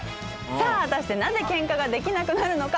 さあ果たしてなぜケンカができなくなるのか？